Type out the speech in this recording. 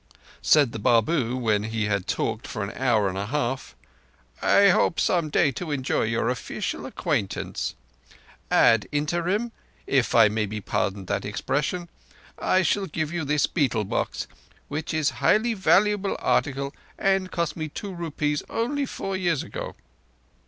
Said the Babu when he had talked for an hour and a half "I hope some day to enjoy your offeecial acquaintance. Ad interim, if I may be pardoned that expression, I shall give you this betel box, which is highly valuable article and cost me two rupees only four years ago."